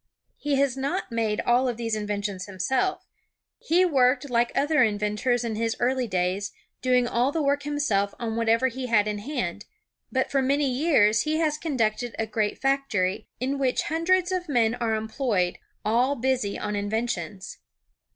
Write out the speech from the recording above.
He has not made all of these inventions himself. He worked like other inventors in his early days, doing all the work himself on whatever he had in hand, but for many years he has conducted a great factory, in which hundreds of men are employed, all busy on inventions.